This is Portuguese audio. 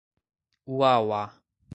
Uauá